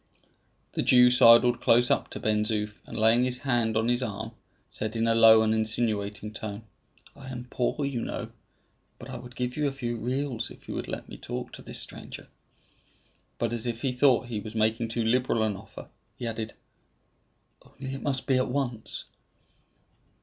The Jew sidled close up to Ben Zoof, and laying his hand on his arm, said in a low and insinuating tone, "I am poor, you know; but I would give you a few reals if you would let me talk to this stranger." But as if he thought he was making too liberal an offer, he added, "Only it must be at once."